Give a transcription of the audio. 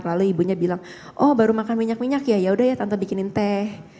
lalu ibunya bilang oh baru makan minyak minyak ya yaudah ya tante bikinin teh